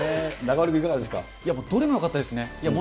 どれもよかったですね。